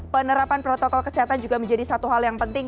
penerapan protokol kesehatan juga menjadi satu hal yang penting